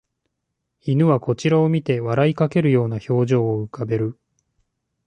犬はこちらを見て笑いかけるような表情を浮かべる